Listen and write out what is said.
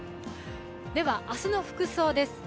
明日の服装です。